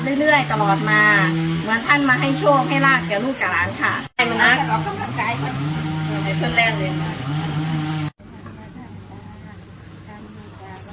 ตลอดมาวันท่านมาให้ช่วงให้รากเกี่ยวกับลูกการร้านค่ะ